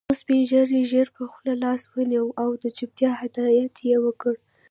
يو سپين ږيري ژر پر خوله لاس ونيو او د چوپتيا هدایت يې وکړ.